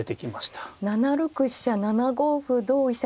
７六飛車７五歩同飛車